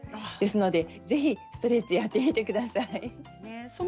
ですのでぜひストレッチをやってみてください。